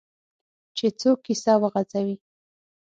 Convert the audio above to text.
چې څوک کیسه وغځوي.